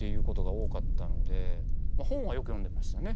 本はよく読んでましたね。